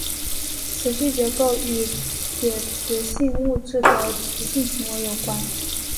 磁矩结构与铁磁性物质的磁性行为有关。